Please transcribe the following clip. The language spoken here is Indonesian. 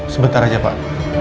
sebentar aja pak